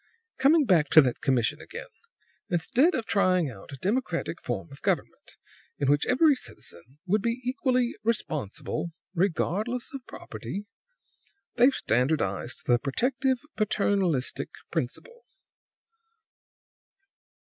"Coming back to that commission again: instead of trying out a democratic form of government, in which every citizen would be equally responsible regardless of property they've standardized the protective, paternalistic principle."